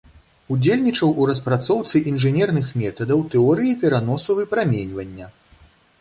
Удзельнічаў у распрацоўцы інжынерных метадаў тэорыі пераносу выпраменьвання.